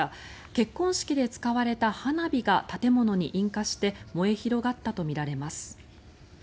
結婚式で使われた花火が建物に引火して燃え広がったとみられます。